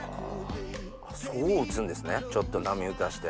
そう打つんですねちょっと波打たして。